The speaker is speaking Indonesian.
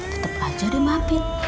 tetap aja dia mampir